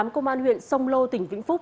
công an huyện sông lô tỉnh vĩnh phúc